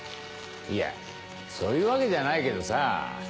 いやそういうわけじゃないけどさ。